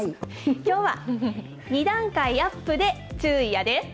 きょうは、２段階アップで注意やで。